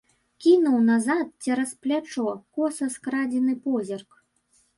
Кінуў назад, цераз плячо, коса скрадзены позірк.